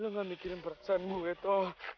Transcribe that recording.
lo gak mikirin perasaanmu gitu